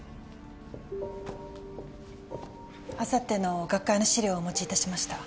あさっての学会の資料をお持ちいたしました